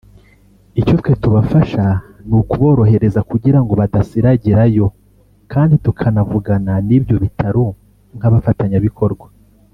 Icyo twe tubafasha ni ukuborohereza kugira ngo badasiragirayo kandi tukanavugana n’ibyo bitaro nk’abafatanyabikorwa